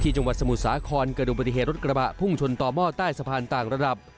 จังหวัดสมุทรสาครเกิดดูปฏิเหตุรถกระบะพุ่งชนต่อหม้อใต้สะพานต่างระดับ